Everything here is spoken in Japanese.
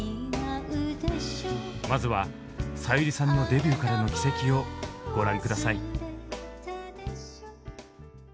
まずはさゆりさんのデビューからの軌跡をご覧下さい。